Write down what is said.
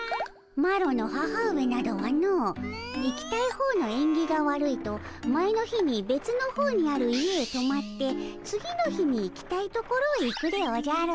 マロの母上などはの行きたい方のえんぎが悪いと前の日にべつの方にある家へとまって次の日に行きたいところへ行くでおじゃる。